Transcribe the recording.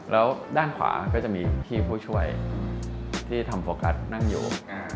แล้วด้านขวาก็จะมีพี่ผู้ช่วยที่ทำโฟกัสนั่งอยู่